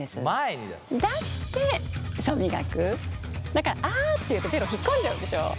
だからあって言うとベロ引っ込んじゃうでしょ？